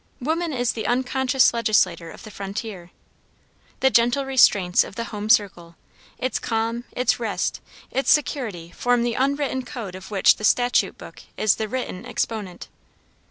Woman is the unconscious legislator of the frontier. The gentle restraints of the home circle, its calm, its rest, its security form the unwritten code of which the statute book is the written exponent.